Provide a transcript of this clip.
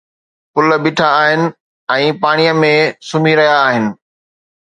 پل بيٺا آهن ۽ پاڻيءَ ۾ سمهي رهيا آهن